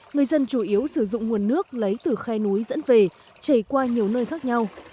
người dân chủ yếu sử dụng nguồn nước lấy từ khe núi dẫn về chảy qua nhiều nơi khác nhau